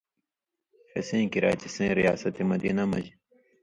ݜسیں کریا چے سِیں ریاست مدینہ مژ